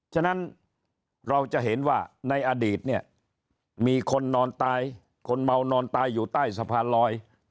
ฉะนั้นเราจะเห็นว่าในอดีตเนี่ยมีคนนอนตายคนเมานอนตายอยู่ใต้สะพานลอย